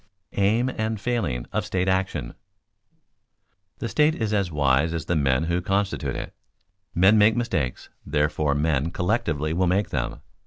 [Sidenote: Aim and failings of state action] The state is as wise as the men who constitute it. Men make mistakes, therefore men collectively will make them.